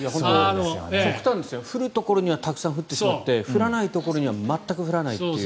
極端ですが降るところにはたくさん降って降らないところには全く降らないという。